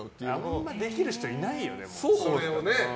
あんまりできる人いないよね。